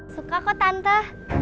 suka kok tante